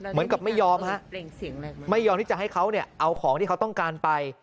เหมือนกับไม่ยอมไม่ยอมที่จะให้เขาเอาของที่เขาต้องการไป